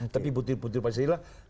tapi butir butir pancasila